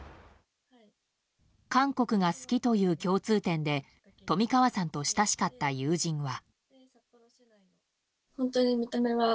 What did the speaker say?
韓国が好きという共通点で冨川さんと親しかった友人は。